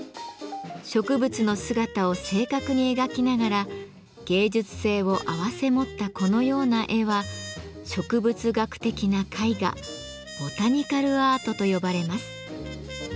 植物の姿を正確に描きながら芸術性を併せ持ったこのような絵は植物学的な絵画「ボタニカルアート」と呼ばれます。